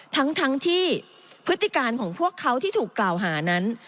ทั้งที่พฤติการของพวกเขาที่ถูกกล่าวหานั้น